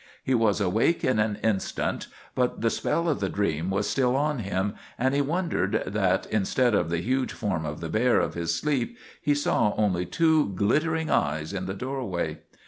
He was awake in an instant, but the spell of the dream was still on him, and he wondered that, instead of the huge form of the bear of his sleep, he saw only two glittering eyes in the doorway.